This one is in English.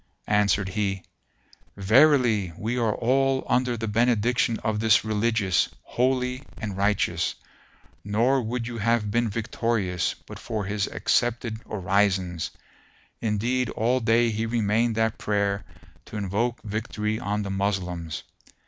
Answered he, "Verily we are all under the benediction of this Religious, holy and righteous, nor would you have been victorious, but for his accepted orisons; indeed all day he remained at prayer to invoke victory on the Moslems."